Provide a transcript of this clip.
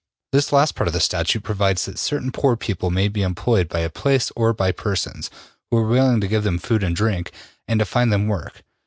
The last part of this statute provides that certain poor people may be employed by a place or by persons, who are willing to give them food and drink and to find them work.